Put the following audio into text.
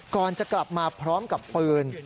ก่อนจะกลับมาพร้อมกับปืน